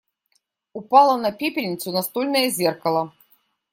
Упало на пепельницу настольное зеркало.